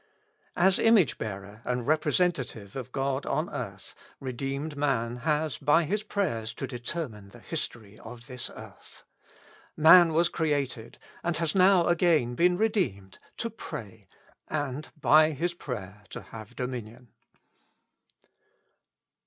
As image bearer and repre sentative of God on earth, redeemed man has by his prayers to determine the history of this earth. Man was created, and has now again been redeemed, to pray, and by his prayer to have dominion.